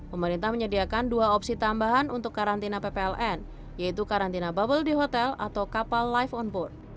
pemerintah menyediakan dua opsi tambahan untuk karantina ppln yaitu karantina bubble di hotel atau kapal live on board